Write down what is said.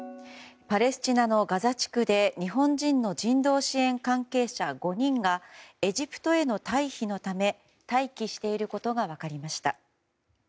パレスチナのガザ地区で日本人の人道支援関係者５人がエジプトへの退避のため待機していることが分かりました。